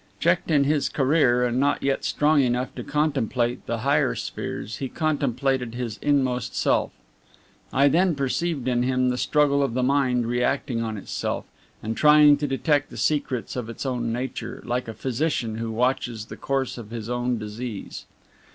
Checked in his career, and not yet strong enough to contemplate the higher spheres, he contemplated his inmost self. I then perceived in him the struggle of the Mind reacting on itself, and trying to detect the secrets of its own nature, like a physician who watches the course of his own disease.